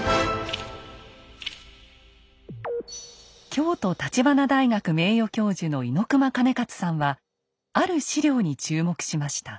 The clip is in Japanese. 京都橘大学名誉教授の猪熊兼勝さんはある史料に注目しました。